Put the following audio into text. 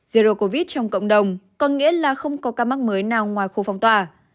zero covid trong cộng đồng có nghĩa là không có ca mắc mới nào ngoài khu phong tỏa